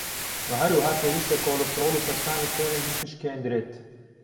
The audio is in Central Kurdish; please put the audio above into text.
وه هەروەها پێویسته کۆلسترۆڵ و پەستانی خوێنت بپشکێندرێت